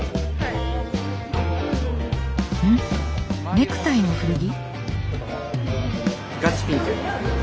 ネクタイの古着？